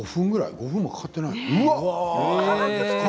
５分もかかっていない？